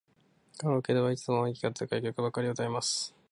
カラオケではいつも音域が高い曲ばかり歌います。